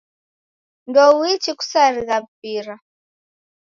Ndouichi kusarigha mpira.